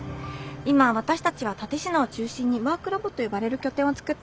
今私たちは蓼科を中心にワークラボと呼ばれる拠点を作っているんです。